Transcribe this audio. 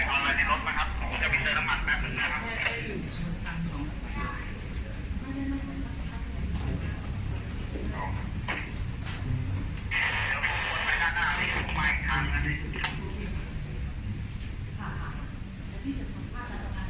ออนไลน์ในรถมาครับของการพิเศษร้ำมันแปดหนึ่งนะครับ